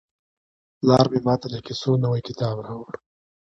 پلار مې ماته د کیسو نوی کتاب راوړ.